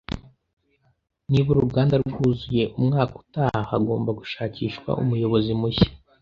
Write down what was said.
Niba uruganda rwuzuye umwaka utaha, hagomba gushakishwa umuyobozi mushya